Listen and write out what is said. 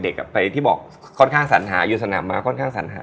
ไปที่บอกค่อนข้างสัญหาอยู่สนามมาค่อนข้างสัญหา